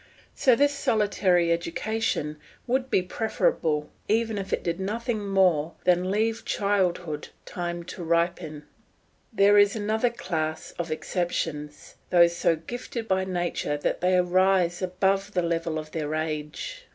So this solitary education would be preferable, even if it did nothing more than leave childhood time to ripen. There is quite another class of exceptions: those so gifted by nature that they rise above the level of their age.